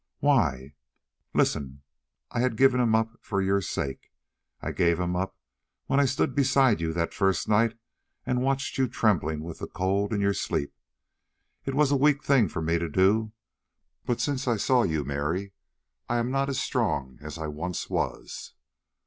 "Why?" "Listen: I had given him up for your sake; I gave him up when I stood beside you that first night and watched you trembling with the cold in your sleep. It was a weak thing for me to do, but since I saw you, Mary, I am not as strong as I once was."